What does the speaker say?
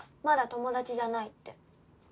まだ友達じゃないって。